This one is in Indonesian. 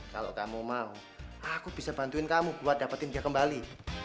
kalau kamu mau aku bisa bantuin kamu buat dapetin dia kembali